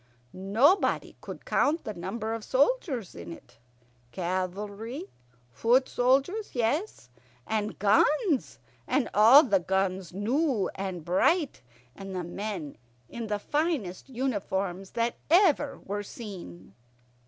Nobody could count the number of soldiers in it cavalry, foot soldiers, yes, and guns, and all the guns new and bright, and the men in the finest uniforms that ever were seen.